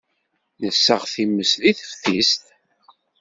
Nessaɣ timest deg teftist.